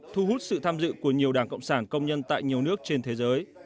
thu hút sự tham dự của nhiều đảng cộng sản công nhân tại nhiều nước trên thế giới